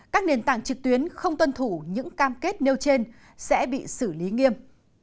các nền tảng trực tuyến không tuân thủ những cam kết nêu trên sẽ bị xử lý nghiêm